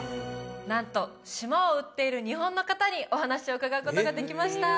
なんと島を売っている日本の方にお話を伺うことができました